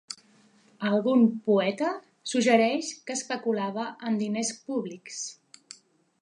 Algun poeta suggereix que especulava amb diners públics.